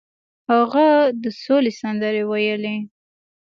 هغه د سولې سندرې ویلې.